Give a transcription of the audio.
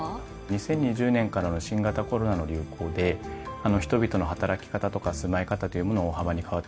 ２０２０年からの新型コロナの流行で人々の働き方とか住まい方というのも大幅に変わってきてるかなと。